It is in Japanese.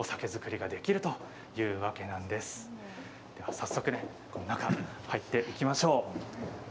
早速中に入っていきましょう。